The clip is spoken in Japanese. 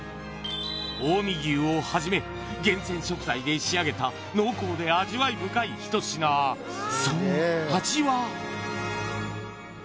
近江牛をはじめ厳選食材で仕上げた濃厚で味わい深い一品その味は？